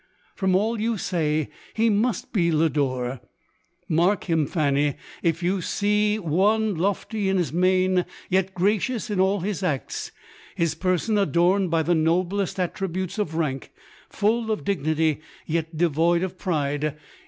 From all you say, he must be Lodore. Mark him, Fanny : if you see one lofty in his mien, yet gracious in all his acts ; his person adorned by the noblest attributes of rank ; full of dignity, yet devoid of pride ; LOU ORE.